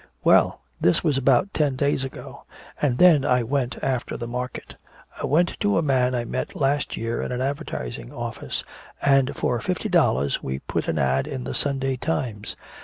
"Well, this was about ten days ago. And then I went after the market. I went to a man I met last year in an advertising office, and for fifty dollars we put an 'ad' in the Sunday Times.